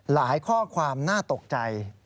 หลายข้อความน่าตกใจ